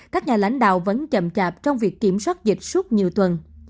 các nhà lãnh đạo vẫn chậm chạp trong việc kiểm soát dịch suốt nhiều tuần